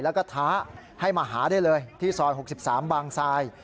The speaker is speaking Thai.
แล้วก็ท้าให้มาหาได้เลยที่ซอย๖๓บางทราย